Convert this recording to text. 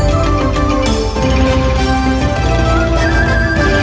โชว์สี่ภาคจากอัลคาซ่าครับ